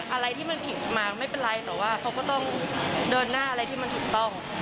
อะไรที่มันผิดมาไม่เป็นไรแต่ว่าเขาก็ต้องเดินหน้าอะไรที่มันถูกต้อง